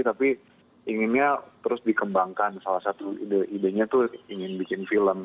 tapi inginnya terus dikembangkan salah satu ide idenya tuh ingin bikin film